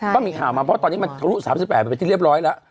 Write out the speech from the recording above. ก็มีข่าวมาเพราะตอนนี้มันทะลุ๓๘มันเป็นที่เรียบร้อยแล้ว